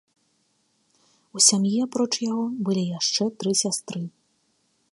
У сям'і, апроч яго, былі яшчэ тры сястры.